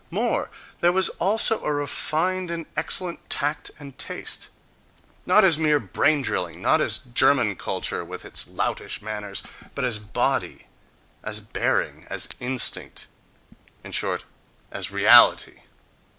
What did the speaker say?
More, there was also a refined and excellent tact and taste! Not as mere brain drilling! Not as "German" culture, with its loutish manners! But as body, as bearing, as instinct—in short, as reality....